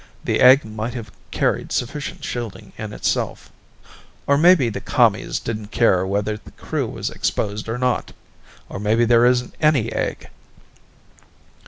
The egg might have carried sufficient shielding in itself. Or maybe the Commies didn't care whether the crew was exposed or not. Or maybe there isn't any egg."